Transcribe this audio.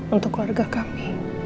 untuk keluarga kami